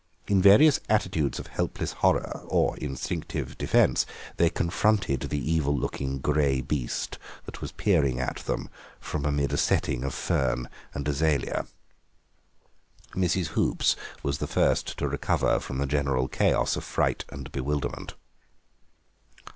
In various attitudes of helpless horror or instinctive defence they confronted the evil looking grey beast that was peering at them from amid a setting of fern and azalea. Mrs. Hoops was the first to recover from the general chaos of fright and bewilderment.